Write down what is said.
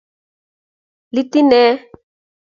Iiti ne?